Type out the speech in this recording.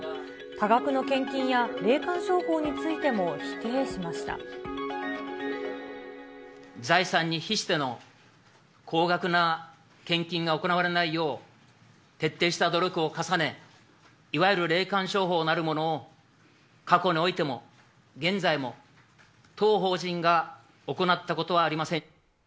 多額の献金や、霊感商法について財産に比しての、高額な献金が行われないよう、徹底した努力を重ね、いわゆる霊感商法なるものを、過去においても現在も、当法人が行ったことはありません。